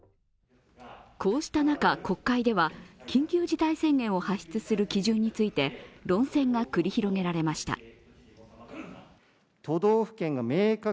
こうした中、国会では緊急事態宣言を発出する基準について論戦が繰り広げられました。